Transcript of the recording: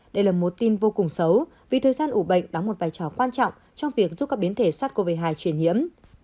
đây là một tin vô cùng xấu vì thời gian ủ bệnh đóng một vai trò quan trọng trong việc giúp các biến thể sars cov hai chuyển nhiễm